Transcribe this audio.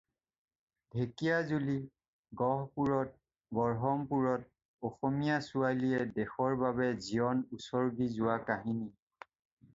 ঢেকীয়াজুলি, গহপুৰত, বৰহমপুৰত অসমীয়া ছোৱালীয়ে দেশৰ বাবে জীৱন উছৰ্গি যোৱা কাহিনী